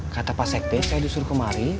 kata pak sekte saya disuruh kemari